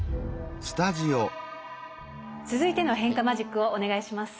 続いての変化マジックをお願いします。